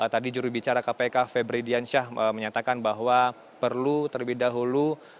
tadi jurubicara kpk febri diansyah menyatakan bahwa perlu terlebih dahulu